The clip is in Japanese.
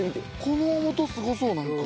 この元すごそうなんか。